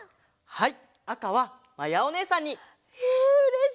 はい！